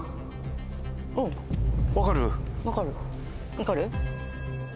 分かる？